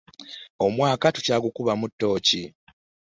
Omwaka tukyagukubamu ttooki.